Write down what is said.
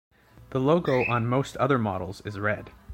The logo on most other models is red.